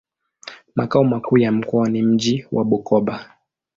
Makao makuu ya mkoa ni mji wa Bukoba.